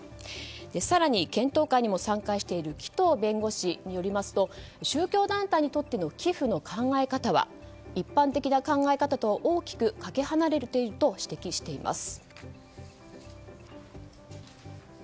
更に検討会にも参加している紀藤弁護士によりますと宗教団体にとっての寄付の考え方は一般的な考え方とは大きくかけ離れていると指摘しています。